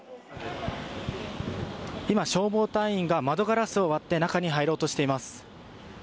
今、消防隊員が窓ガラスを割って中に入ろうとしています。